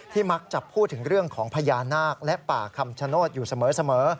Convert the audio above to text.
มักจะพูดถึงเรื่องของพญานาคและป่าคำชโนธอยู่เสมอ